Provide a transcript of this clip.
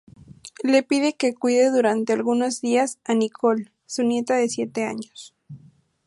Le pide que cuide durante algunos días a Nicole, su nieta de siete años.